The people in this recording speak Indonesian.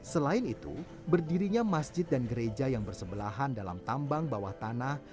selain itu berdirinya masjid dan gereja yang bersebelahan dalam tambang bawah tanah